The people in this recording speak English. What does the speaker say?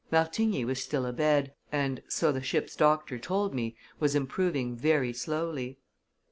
Martigny was still abed, and, so the ship's doctor told me, was improving very slowly.